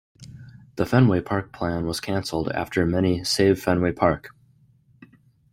The Fenway Park plan was cancelled after many Save Fenway Park!